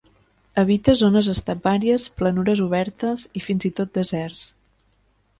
Habita zones estepàries, planures obertes i fins i tot deserts.